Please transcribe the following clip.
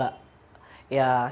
jangan pernah takut mencoba